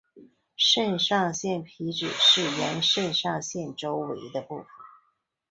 肾上腺皮质是沿肾上腺周围的部分。